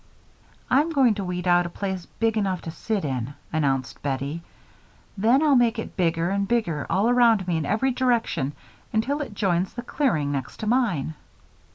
"I'm going to weed out a place big enough to sit in," announced Bettie. "Then I'll make it bigger and bigger all around me in every direction until it joins the clearing next to mine."